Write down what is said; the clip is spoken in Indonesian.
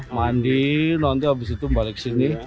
mandi nanti habis itu balik sini